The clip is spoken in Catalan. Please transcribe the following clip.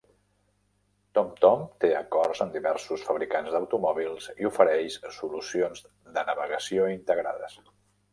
TomTom té acords amb diversos fabricants d'automòbils i ofereix solucions de navegació integrades.